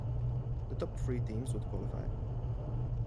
The top three teams would qualify.